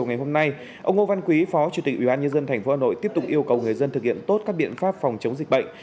ông ngô văn quý phó chủ tịch ubnd tp hà nội tiếp tục yêu cầu người dân thực hiện tốt các biện pháp phòng chống dịch bệnh